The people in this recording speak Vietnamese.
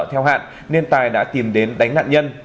theo hạn nên tài đã tìm đến đánh nạn nhân